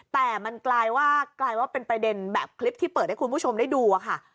แต่มันกลายเป็นประเด็นแบบคลิปที่เปิดให้คุณผู้ชมได้ดู